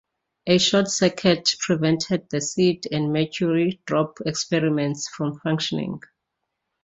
A short circuit prevented the seed and mercury drop experiments from functioning.